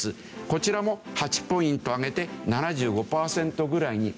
こちらも８ポイント上げて７５パーセントぐらいに。